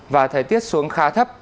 và thời tiết xuống khá thấp